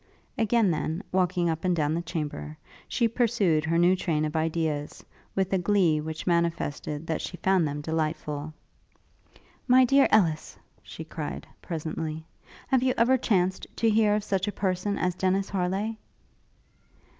Again, then, walking up and down the chamber, she pursued her new train of ideas, with a glee which manifested that she found them delightful. 'My dear Ellis,' she cried, presently, 'have you ever chanced to hear of such a person as Dennis Harleigh?'